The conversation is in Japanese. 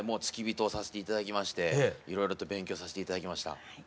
付き人をさせていただきましていろいろと勉強させていただきました。